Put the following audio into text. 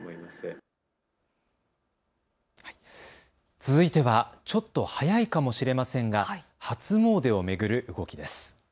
続いては、ちょっと早いかもしれませんが初詣を巡る動きです。